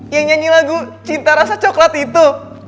yang nyanyi lagu cita rasa coklat itu